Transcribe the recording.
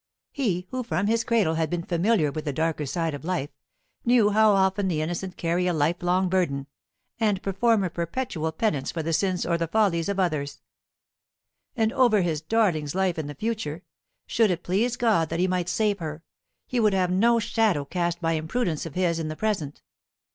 He, who from his cradle had been familiar with the darker side of life, knew how often the innocent carry a lifelong burden, and perform a perpetual pennance for the sins or the follies of others. And over his darling's life in the future, should it please God that he might save her, he would have no shadow cast by imprudence of his in the present.